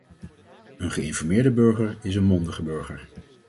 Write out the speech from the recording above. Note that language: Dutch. Een geïnformeerde burger is een mondige burger.